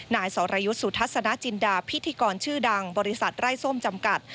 นายสรยุทธ์สุทัศนจินดาพิธีกรชื่อดังบริษัทไร้ส้มจำกัด